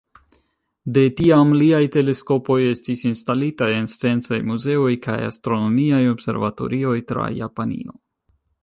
De tiam, liaj teleskopoj estis instalitaj en sciencaj muzeoj kaj astronomiaj observatorioj tra Japanio.